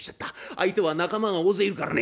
相手は仲間が大勢いるからね。